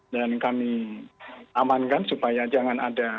dan kami amankan supaya jangan ada